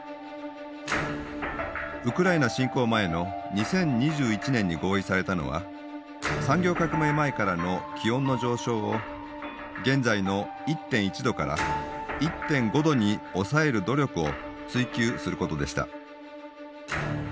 ウクライナ侵攻前の２０２１年に合意されたのは産業革命前からの気温の上昇を現在の１．１℃から１．５℃に抑える努力を追求することでした。